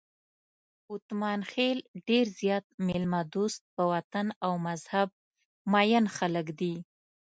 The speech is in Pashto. اتمانخېل ډېر زیات میلمه دوست، په وطن او مذهب مېین خلک دي.